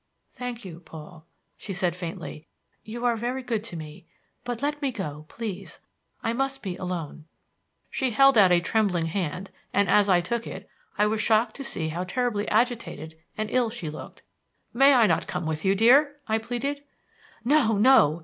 "Thank you, Paul," she said faintly. "You are very good to me. But let me go, please. I must be alone." She held out a trembling hand, and, as I took it, I was shocked to see how terribly agitated and ill she looked. "May I not come with you, dear?" I pleaded. "No, no!"